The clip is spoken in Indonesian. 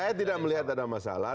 saya tidak melihat ada masalah